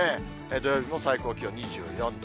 土曜日も最高気温２４度。